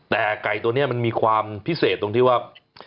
แต่ไก่ตัวนี้มันมีความพิเศษตรงที่ว่า